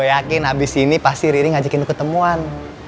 yakin abis ini pasti riri ngajakin ketemuan